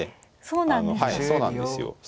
そうなんですか。